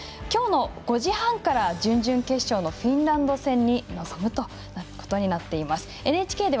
きょうの５時半から準々決勝のフィンランド戦に臨むということになっています。